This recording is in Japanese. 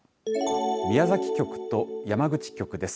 宮崎局と山口局です。